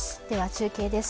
中継です。